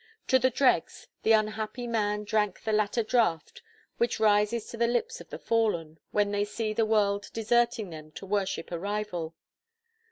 To the dregs, the unhappy man drank the latter draught which rises to the lips of the fallen, when they see the world deserting them to worship a rival.